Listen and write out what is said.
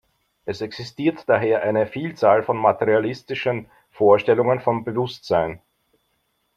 Es existiert daher eine Vielzahl von materialistischen Vorstellungen vom Bewusstsein.